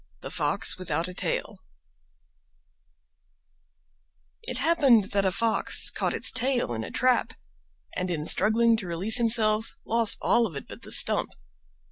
THE FOX WITHOUT A TAIL It happened that a Fox caught its tail in a trap, and in struggling to release himself lost all of it but the stump.